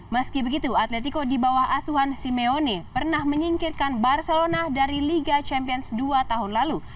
meski begitu atletico di bawah asuhan simeone pernah menyingkirkan barcelona dari liga champions dua tahun lalu